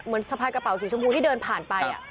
สะพายกระเป๋าสีชมพูที่เดินผ่านไป